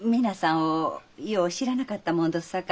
皆さんをよう知らなかったもんどす